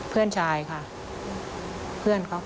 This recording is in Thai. เพื่อนชายค่ะเพื่อนเขาค่ะ